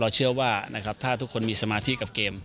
เราเชื่อว่าถ้าทุกคนมีสมาธิกับเกม